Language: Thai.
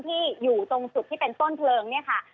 อยู่ตรงจุดที่เป็นต้นเพลิงเนี่ยค่ะ